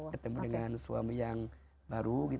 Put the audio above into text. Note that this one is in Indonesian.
ketemu dengan suami yang baru